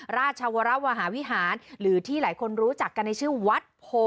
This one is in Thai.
ราชวรวหาวิหารหรือที่หลายคนรู้จักกันในชื่อวัดโพ